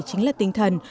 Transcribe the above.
chính là tinh thần